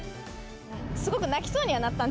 すごく泣きそうにはなったん